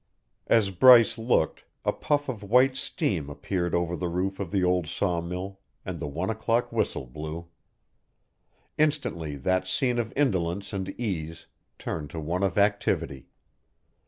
As Bryce looked, a puff of white steam appeared over the roof of the old sawmill, and the one o'clock whistle blew. Instantly that scene of indolence and ease turned to one of activity.